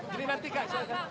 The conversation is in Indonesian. jadi nanti kak